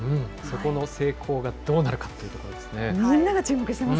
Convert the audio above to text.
そこの成功がどうなるかというところですね。